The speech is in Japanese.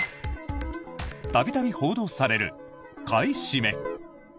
度々報道される買い占め。